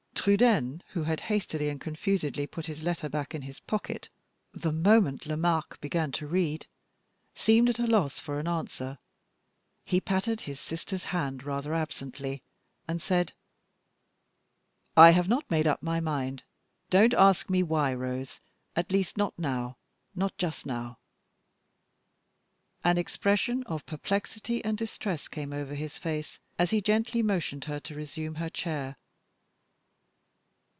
Trudaine, who had hastily and confusedly put his letter back in his pocket the moment Lomaque began to read, seemed at a loss for an answer. He patted his sister's hand rather absently, and said: "I have not made up my mind; don't ask me why, Rose at least not now, not just now." An expression of perplexity and distress came over his face, as he gently motioned her to resume her chair.